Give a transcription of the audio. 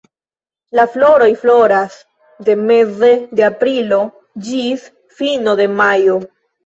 La floroj floras de meze de aprilo ĝis fino de majo.